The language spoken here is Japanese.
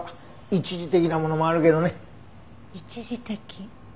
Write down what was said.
一時的。